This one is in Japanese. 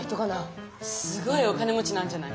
すごいお金もちなんじゃない？